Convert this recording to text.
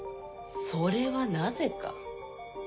それはなぜか？